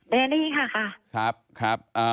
ได้ยินค่ะค่ะ